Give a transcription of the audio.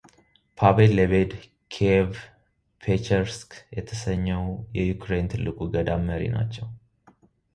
ፓቬል ሌቤድ ኪዬቭ ፔቼርስክ የተሰኘው የዩክሬን ትልቁ ገዳም መሪ ናቸው።